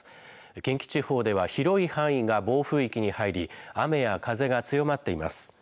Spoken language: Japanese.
近畿地方では広い範囲が暴風域に入り、雨や風が強まっています。